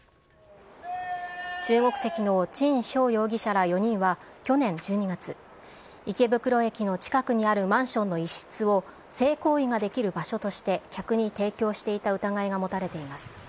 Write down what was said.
中国籍の陳松容疑者ら４人は、去年１２月、池袋駅の近くにあるマンションの一室を、性行為ができる場所として、客に提供していた疑いが持たれています。